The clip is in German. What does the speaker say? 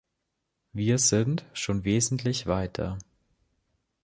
Wir sind schon wesentlich weiter.